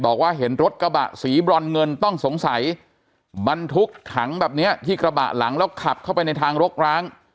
บอกว่าเห็นรถกระบะสีบรอนเงินต้องสงสัยบรรทุกถังแบบเนี้ยที่กระบะหลังแล้วขับเข้าไปในทางรกร้าง